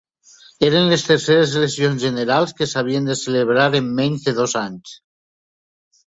Eren les terceres eleccions generals que s'havien de celebrar en menys de dos anys.